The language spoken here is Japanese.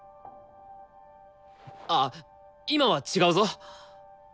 あっ今は違うぞ。